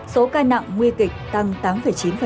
số ca nặng nguy kịch tăng tám chín